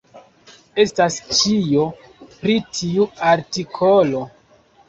Estas ĉio pri tiu artikolo.